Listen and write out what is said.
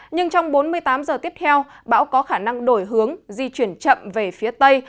nhưng trong bốn mươi tám giờ tiếp theo bão có khả năng đổi hướng di chuyển chậm về phía tây